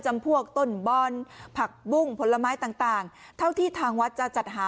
พวกต้นบอนผักบุ้งผลไม้ต่างต่างเท่าที่ทางวัดจะจัดหา